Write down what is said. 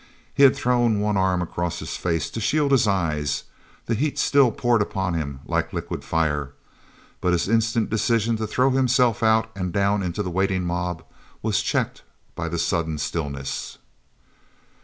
He had thrown one arm across his face to shield his eyes; the heat still poured upon him like liquid fire. But his instant decision to throw himself out and down into the waiting mob was checked by the sudden stillness.